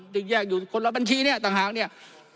ที่แยกอยู่คนละบัญชีเนี่ยต่างหากเนี่ย